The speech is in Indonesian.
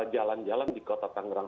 jalan jalan di kota tangerang